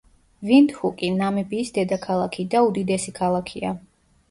ვინდჰუკი, ნამიბიის დედაქალაქი და უდიდესი ქალაქია.